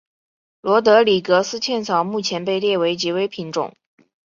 罗德里格斯茜草目前被列为极危物种。